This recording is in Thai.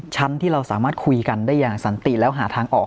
ที่เราสามารถคุยกันได้อย่างสันติแล้วหาทางออก